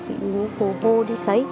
bị phô hô đi xấy